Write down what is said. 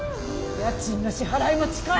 家賃の支払いも近い。